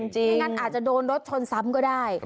ไม่งั้นอาจจะโดนรถชนซ้ำก็ได้